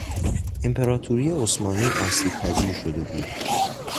امپراطوری عثمانی آسیبپذیر شده بود.